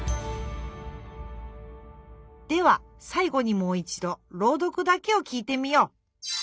ではさい後にもう一度ろう読だけを聞いてみよう。